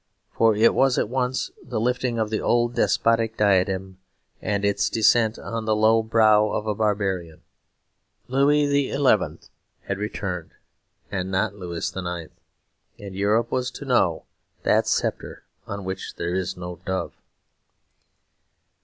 For it was at once the lifting of the old despotic diadem and its descent on the low brow of a barbarian. Louis XI. had returned, and not Louis IX.; and Europe was to know that sceptre on which there is no dove.